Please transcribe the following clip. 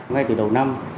ngay từ đầu năm